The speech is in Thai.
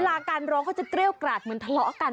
เวลาการร้องเขาจะเกรี้ยวกะแบบทะเลาะกัน